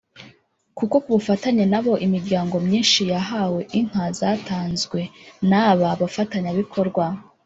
kuko ku bufatanye nabo imiryango myinshi yahawe inka zatanzwe n’aba bafatanyabikorwa